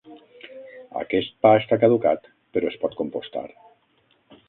Aquest pa està caducat, però es pot compostar.